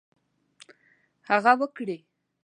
هغه وکړي.